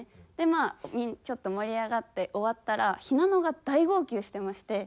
まあちょっと盛り上がって終わったらひなのが大号泣してまして。